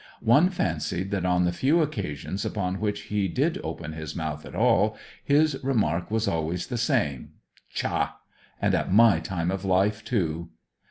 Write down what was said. One fancied that on the few occasions upon which he did open his mouth at all, his remark was always the same "Tcha! And at my time of life, too!"